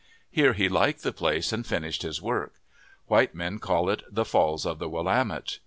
Here he liked the place and finished his work. White men call it the Falls of the Willamette.